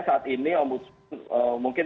saat ini om budsman mungkin